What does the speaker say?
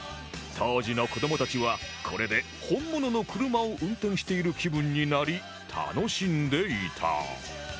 当時の子どもたちはこれで本物の車を運転している気分になり楽しんでいた